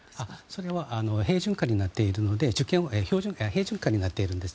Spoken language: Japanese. それは平準化になっているんです。